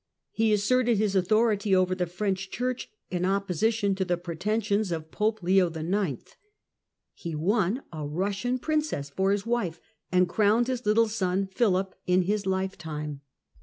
He asserted his authority over the French Church in opposition to the pretensions of Pope Leo IX. He won a Russian princess for his wife, and crowned his little son Philip in his lifetime.